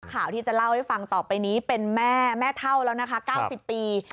ข่าวที่จะเล่าให้ฟังต่อไปนี้เป็นแม่แม่เท่าแล้วนะคะ๙๐ปี